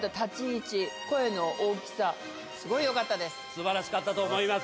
素晴らしかったと思います。